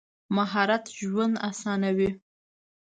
مهارت ژوند اسانوي.